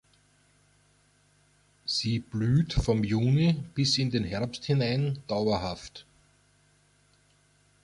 Sie blüht vom Juni bis in den Herbst hinein dauerhaft.